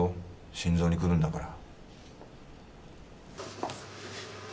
心臓にくるんだから。